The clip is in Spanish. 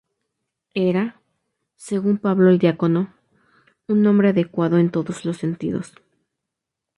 Era, según Pablo el Diácono, "un hombre adecuado en todos los sentidos.